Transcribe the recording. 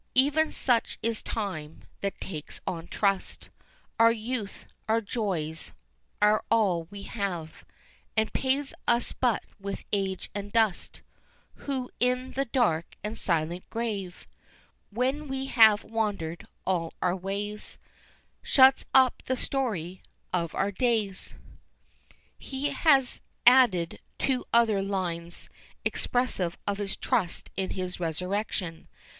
Even such is Time, that takes on trust Our youth, our joys, our all we have, And pays us but with age and dust; Who in the dark and silent grave, When we have wandered all our ways, Shuts up the story of our days! He has added two other lines expressive of his trust in his resurrection.